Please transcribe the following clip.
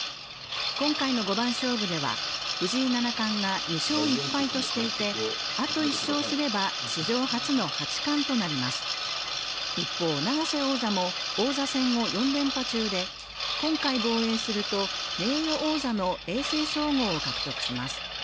今回の五番勝負では藤井七冠が２勝１敗としていてあと１勝すれば史上初の八冠となります一方永瀬王座も王座戦を４連覇中で今回防衛すると名誉王座の永世称号を獲得します